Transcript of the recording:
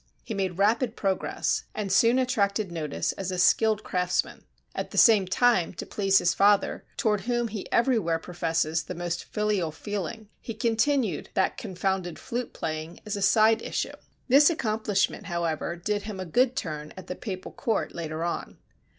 He made rapid progress, and soon attracted notice as a skilled craftsman. At the same time, to please his father, toward whom he everywhere professes the most filial feeling, he continued "that confounded flute playing" as a side issue. This accomplishment, however, did him a good turn at the Papal court later on.